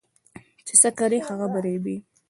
چي څه کرې ، هغه به رېبې.